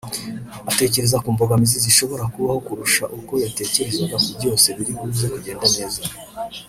atekereza ku mbogamizi zishobora kubaho kurusha uko yatekereza ko byose biri buze kugenda neza